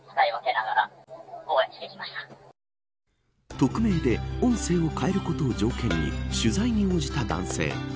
匿名で音声を変えることを条件に取材に応じた男性。